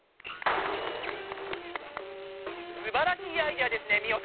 「すばらしいアイデアですねミオさん！」。